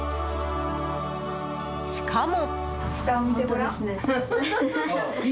しかも。